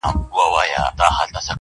-اوښکو را اخیستي جنازې وي د بګړیو-